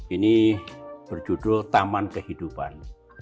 ini berjudul taman kehidupan